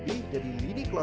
siapaiez ya kelamaan tau